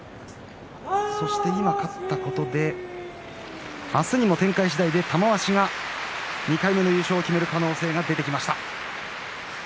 そして、今勝ったことで明日にも展開次第では玉鷲が２回目の優勝を決める可能性が出てきました。